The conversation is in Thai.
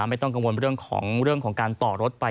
ไม่ต้องกังวลเรื่องของการต่อรถไป